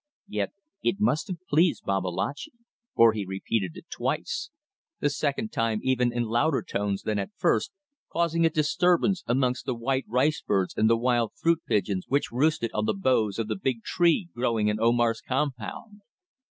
Yet it must have pleased Babalatchi for he repeated it twice, the second time even in louder tones than at first, causing a disturbance amongst the white rice birds and the wild fruit pigeons which roosted on the boughs of the big tree growing in Omar's compound.